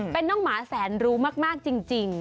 เป็นน้องหมาแสนรู้มากจริง